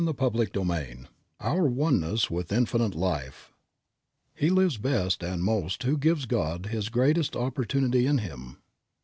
CHAPTER XVI OUR ONENESS WITH INFINITE LIFE He lives best and most who gives God his greatest opportunity in him.